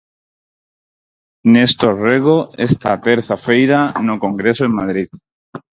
Néstor Rego, esta terza feira no Congreso en Madrid.